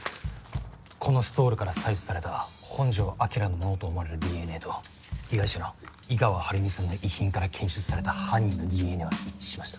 このストールから採取された本城彰のものと思われるＤＮＡと被害者の井川晴美さんの遺品から検出された犯人のＤＮＡは一致しました。